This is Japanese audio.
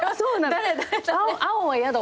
「青はやだ。